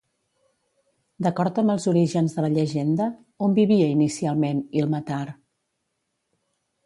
D'acord amb els orígens de la llegenda, on vivia, inicialment, Ilmatar?